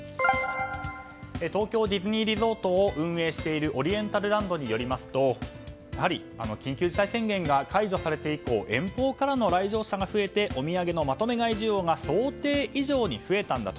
東京ディズニーリゾートを運営しているオリエンタルランドによりますとやはり緊急事態宣言が解除されて以降遠方からの来園者が増えてお土産のまとめ買い需要が想定以上に増えたんだと。